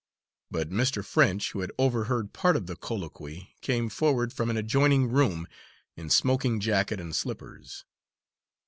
But Mr. French, who had overheard part of the colloquy, came forward from an adjoining room, in smoking jacket and slippers.